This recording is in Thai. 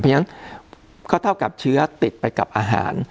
เพราะฉะนั้นก็เท่ากับเชื้อติดไปกับอาหาร